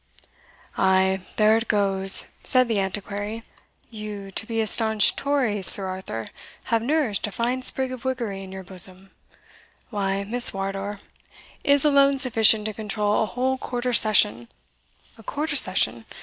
"Ay, there it goes," said the Antiquary; "you, to be a staunch Tory, Sir Arthur, have nourished a fine sprig of Whiggery in your bosom Why, Miss Wardour is alone sufficient to control a whole quarter session a quarter session?